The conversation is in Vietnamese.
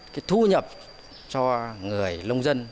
cái thu nhập cho người nông dân